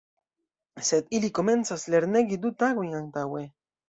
Sed ili komencas lernegi du tagojn antaŭe.